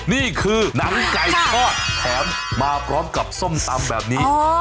นี่คือน้ำไก่กอดแถมมาพร้อมกับส้มสำแปรบนี้โอ้